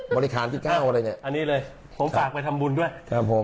บริหารที่๙อะไรเนี่ยอันนี้เลยผมฝากไปทำบุญด้วยครับผม